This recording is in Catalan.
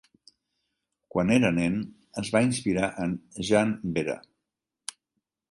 Quan era nen es va inspirar en Jean Behra.